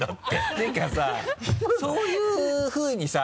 ていうかさそういうふうにさ